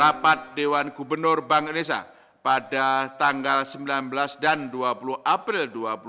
rapat dewan gubernur bank indonesia pada tanggal sembilan belas dan dua puluh april dua ribu dua puluh